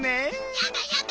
やだやだ！